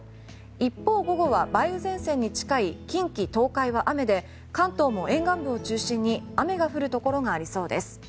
一方、午後は梅雨前線に近い近畿・東海は雨で関東も沿岸部を中心に雨が降るところがありそうです。